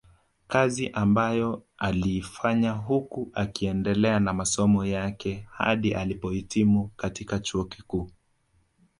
Kazi ambayo aliifanya huku akiendelea na masomo yake hadi alipohitimu katika chuo kikuu